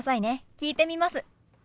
聞いてみます。